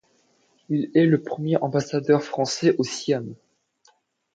Il est le premier ambassadeur français au Siam.